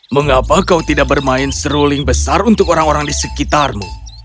mengapa kau tidak bermain seruling besar untuk orang orang di sekitarmu